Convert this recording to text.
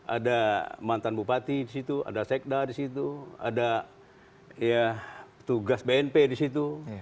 ada mantan bupati di situ ada sekda di situ ada tugas bnp di situ